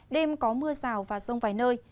đêm có mưa rào và rông vài nơi